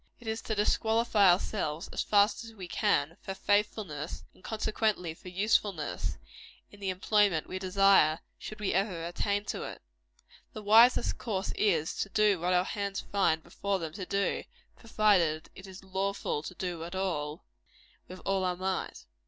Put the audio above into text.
It is to disqualify ourselves, as fast as we can, for faithfulness, and consequently for usefulness, in the employment we desire, should we ever attain to it. The wisest course is, to do what our hands find before them to do, provided it is lawful to do it at all, with all our might.